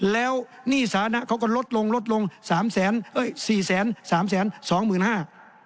แล้วหนี้สานะเขาก็ลดลงลดลงสามแสนเอ้ยสี่แสนสามแสนสองหมื่นห้า